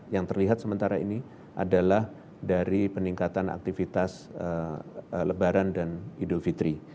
yang terlihat sementara ini adalah dari peningkatan aktivitas lebaran dan idul fitri